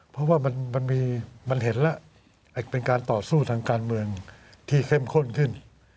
เพราะว่ามันเห็นแล้วเป็นการต่อสู้ทางการเมืองที่เข้มข้นขึ้น